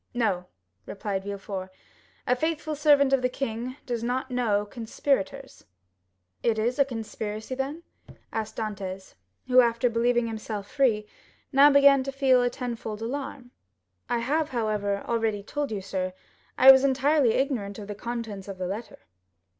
"No," replied Villefort; "a faithful servant of the king does not know conspirators." 0103m "It is a conspiracy, then?" asked Dantès, who after believing himself free, now began to feel a tenfold alarm. "I have, however, already told you, sir, I was entirely ignorant of the contents of the letter."